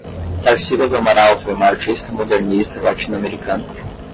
Tarsila do Amaral foi uma artista modernista latino-americana